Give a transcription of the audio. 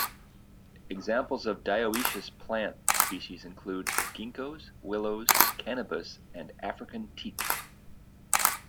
Examples of dioecious plant species include ginkgos, willows, cannabis and African teak.